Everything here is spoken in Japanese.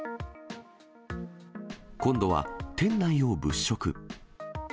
今度は店内を物色。